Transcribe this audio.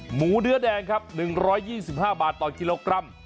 หมูเนื้อแดงครับ๑๒๕บาทต่อกิโลกรัม